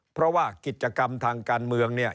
เพราะว่ากิจกรรมทางการเมืองเนี่ย